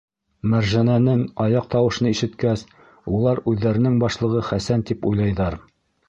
Мәржәнәнең аяҡ тауышын ишеткәс, улар үҙҙәренең башлығы Хәсән тип уйлайҙар.